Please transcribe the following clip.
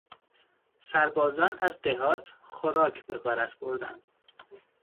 سربازان از دهات خوراک به غارت بردند.